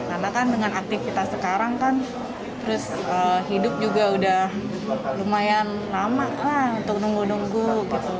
karena kan dengan aktivitas sekarang kan terus hidup juga udah lumayan lama lah untuk nunggu nunggu gitu